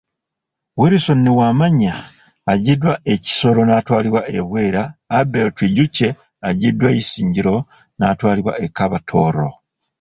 Wilson Wenamanya aggyiddwa e Kisoro naatwalibwa e Bwera, Abel Twijukye aggyiddwa Isingiro naatwalibwa e Kabatooro.